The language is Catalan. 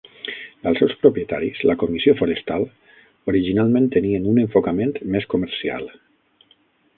Els seus propietaris, la Comissió Forestal, originalment tenien un enfocament més comercial.